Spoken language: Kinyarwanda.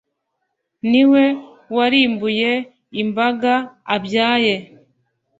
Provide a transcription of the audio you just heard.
niwe warimbuye imbaga abyaye